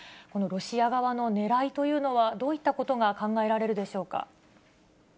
このロシア側のねらいというのは、どういったことが考えられるでしょうか？